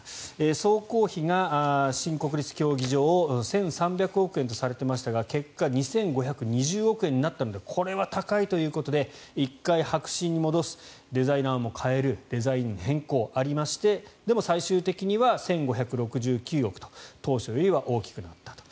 総工費が新国立競技場１３００億円とされていましたが結果、２５２０億円になったのでこれは高いということで１回白紙に戻すデザイナーも代えるデザインの変更がありましてでも、最終的には１５６９億と当初よりは大きくなったと。